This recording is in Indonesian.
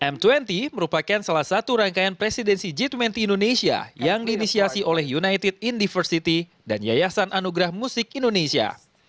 m dua puluh merupakan salah satu rangkaian presidensi g dua puluh indonesia yang diinisiasi oleh united indiversity dan yayasan anugerah musik indonesia